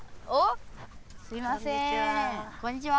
こんにちは。